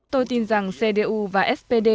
tôi tin rằng cdu và spd